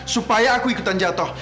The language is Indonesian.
supaya aku ikutan jatoh